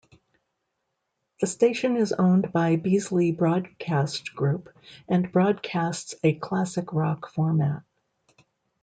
The station is owned by Beasley Broadcast Group and broadcasts a classic rock format.